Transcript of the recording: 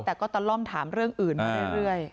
แต่ก็ตะล่อมถามเรื่องอื่นมาเรื่อย